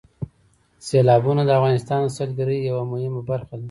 سیلابونه د افغانستان د سیلګرۍ یوه مهمه برخه ده.